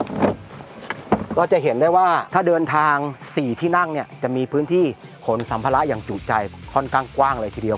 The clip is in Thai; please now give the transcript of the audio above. ก็จะเห็นได้ว่าถ้าเดินทาง๔ที่นั่งเนี่ยจะมีพื้นที่ขนสัมภาระอย่างจุใจค่อนข้างกว้างเลยทีเดียว